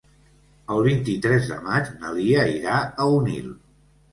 El vint-i-tres de maig na Lia irà a Onil.